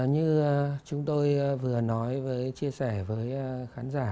như chúng tôi vừa nói với chia sẻ với khán giả